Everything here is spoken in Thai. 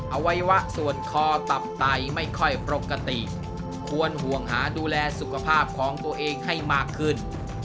อวัยวะส่วนคอตับไตไม่ค่อยปกติควรห่วงหาดูแลสุขภาพของตัวเองให้มากขึ้น